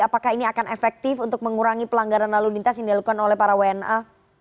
apakah ini akan efektif untuk mengurangi pelanggaran lalu lintas yang dilakukan oleh para wna